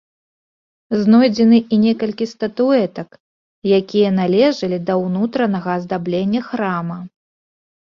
Знойдзены і некалькі статуэтак, якія належалі да ўнутранага аздаблення храма.